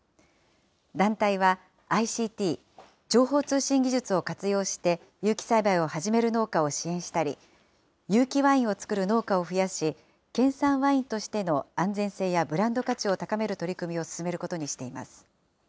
団体はＩＣＴ・情報通信技術を活用して、有機栽培を始める農家を支援したり、有機ワインを造る農家を増やし、県産ワインとしての安全性やブランド価値を高める取り組みを進めることにしています。